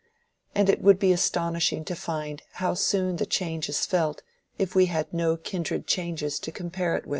And it would be astonishing to find how soon the change is felt if we had no kindred changes to compare with it.